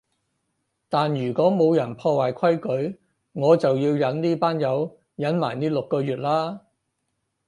但如果冇人破壞規矩，我就要忍呢班友忍埋呢六個月喇